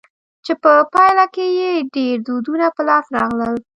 چي په پايله کښي ئې ډېر دودونه په لاس راغلل.